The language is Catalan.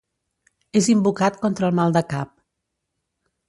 És invocat contra el mal de cap.